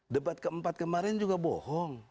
debat keempat kemarin juga bohong